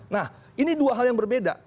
nah ini dua hal yang berbeda